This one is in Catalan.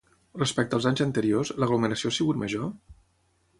Respecte als anys anteriors, l'aglomeració ha sigut major?